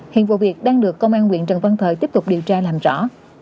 hiện vụ việc đang được công an huyện trần văn thời tiếp tục điều tra làm rõ